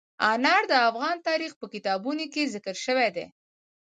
انار د افغان تاریخ په کتابونو کې ذکر شوی دي.